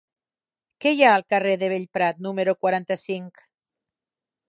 Què hi ha al carrer de Bellprat número quaranta-cinc?